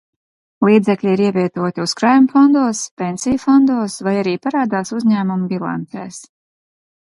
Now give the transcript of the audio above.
Līdzekļi ir ievietoti uzkrājumu fondos, pensiju fondos vai arī parādās uzņēmumu bilancēs.